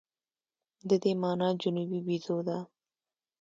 د دې مانا جنوبي بیزو ده.